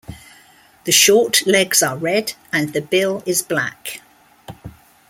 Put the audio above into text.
The short legs are red and the bill is black.